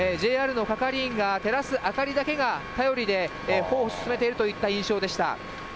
ＪＲの係員が照らす明かりだけが頼りで、歩を進めているといった印象でした。